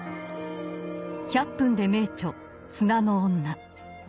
「１００分ｄｅ名著」「砂の女」。